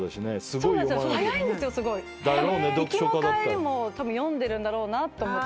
行きも帰りも読んでるんだろうなと思って。